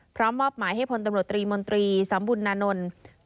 มอบหมายให้พลตำรวจตรีมนตรีสำบุญนานนท์